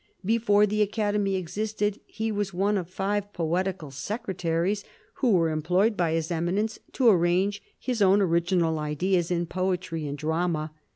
Before the Academy existed he was one of five poetical secretaries who were employed by His Eminence to arrange his own original ideas in poetry and drama.